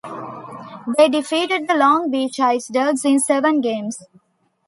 They defeated the Long Beach Ice Dogs in seven games.